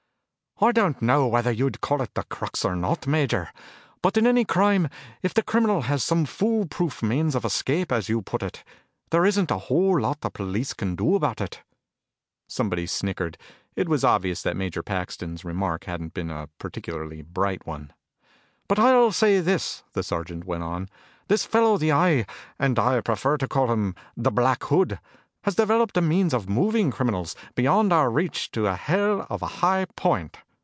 "I don't know whether you'd call it the crux or not, Major, but in any crime if a criminal has some fool proof means of escape, as you put it, there isn't a whole lot the police can do about it." Somebody snickered. It was obvious that Major Paxton's remark hadn't been a particularly bright one. "But I'll say this," the sergeant went on, "this fellow the Eye, and I prefer to call him the Black Hood, has developed a means of moving criminals beyond our reach to a hell of a high point."